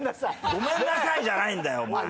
「ごめんなさい」じゃないんだよ。